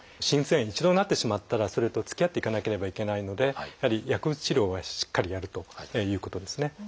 心不全に一度なってしまったらそれとつきあっていかなければいけないのでやはり薬物治療はしっかりやるということですね。